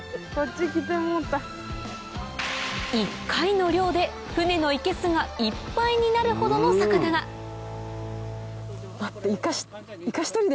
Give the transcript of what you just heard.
１回の漁で船のいけすがいっぱいになるほどの魚が待って。